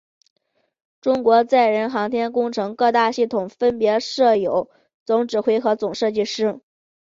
中国载人航天工程各大系统分别设有总指挥和总设计师。